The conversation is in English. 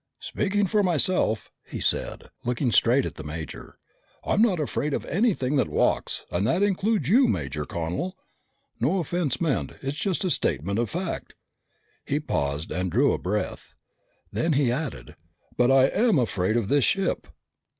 "Speaking for myself," he said, looking straight at the major, "I'm not afraid of anything that walks. And that includes you, Major Connel. No offense meant, it's just a statement of fact." He paused and drew a deep breath. Then he added, "But I am afraid of this ship."